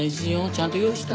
ちゃんと用意した？